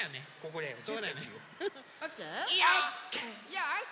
よし！